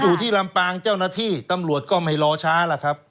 อยู่ที่ลำปางเจ้าหน้าที่ตำรวจก็ไม่รอช้าล่ะครับ